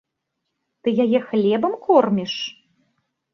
Ты яе хлебам корміш?